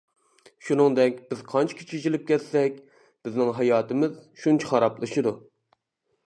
شۇنىڭدەك، بىز قانچىكى چېچىلىپ كەتسەك، بىزنىڭ ھاياتىمىز شۇنچە خارابلىشىدۇ.